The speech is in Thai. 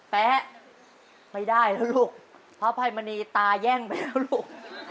แป๊ะไม่ได้แล้วลูกพระภัยมณีตายั่งไปแล้วลูก